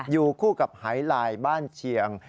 อยู่คู่กับหายลายบ้านเชียง